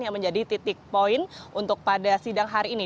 yang menjadi titik poin untuk pada sidang hari ini